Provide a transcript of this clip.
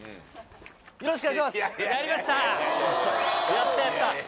やったやった！